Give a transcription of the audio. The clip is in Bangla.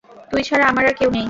তুই ছাড়া আমার আর কেউ নেই।